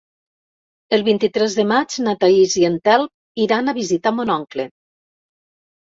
El vint-i-tres de maig na Thaís i en Telm iran a visitar mon oncle.